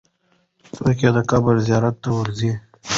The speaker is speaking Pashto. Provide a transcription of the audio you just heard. څوک یې د قبر زیارت ته ورځي؟